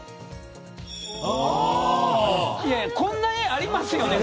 こんな絵ありますよね。